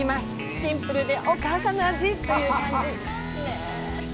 シンプルでお母さんの味！という感じ。